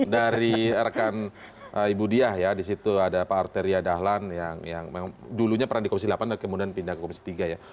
dari rekan ibu diah ya di situ ada pak arteria dahlan yang dulunya pernah di komisi delapan dan kemudian pindah ke komisi tiga ya